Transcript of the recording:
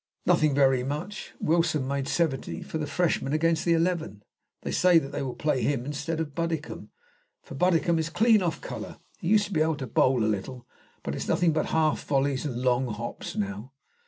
"Nothing very much. Wilson made 70 for the freshmen against the eleven. They say that they will play him instead of Buddicomb, for Buddicomb is clean off colour. He used to be able to bowl a little, but it's nothing but half vollies and long hops now."